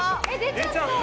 出ちゃった。